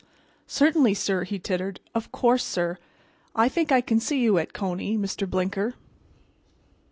"Certainly, sir," he tittered. "Of course, sir, I think I can see you at Coney, Mr. Blinker."